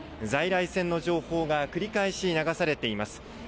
在来線の情報が繰り返し流されています。